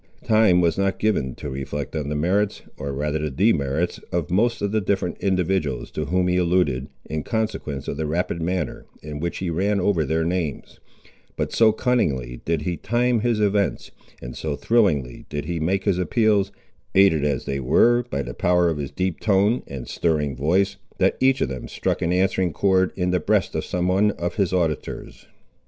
Time was not given to reflect on the merits, or rather the demerits, of most of the different individuals to whom he alluded, in consequence of the rapid manner in which he ran over their names; but so cunningly did he time his events, and so thrillingly did he make his appeals, aided as they were by the power of his deep toned and stirring voice, that each of them struck an answering chord in the breast of some one of his auditors.